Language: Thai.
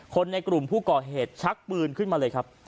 ในกลุ่มผู้ก่อเหตุชักปืนขึ้นมาเลยครับ